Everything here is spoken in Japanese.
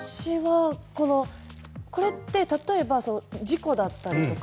これって例えば事故だったりとか